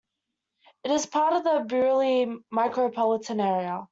It is part of the Burley micropolitan area.